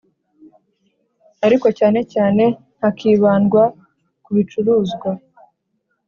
ariko cyane cyane hakibandwa ku bicuruzwa